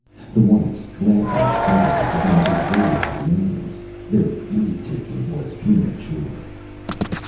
The whites, laughing excitedly, began to wave to the Indians. Their leave taking was premature.